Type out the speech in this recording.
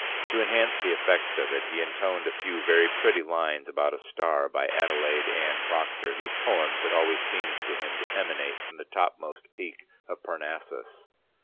To enhance the effect of it he intoned a few very pretty lines about a star by Adelaide Anne Procter, whose poems had always seemed to him to emanate from the topmost peak of Parnassus.